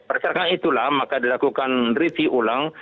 berdasarkan itulah maka dilakukan review ulang